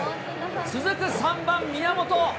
続く３番宮本。